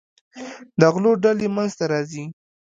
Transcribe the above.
د غلو ډلې منځته راځي.